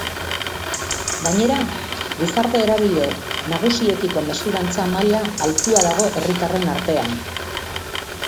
Gainera, gizarte eragile nagusiekiko mesfidantza maila altua dago herritarren artean.